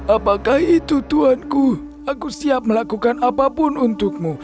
apakah itu tuhanku aku siap melakukan apapun untukmu